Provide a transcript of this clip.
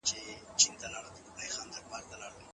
لوبې زده کړه خوندوره کوي.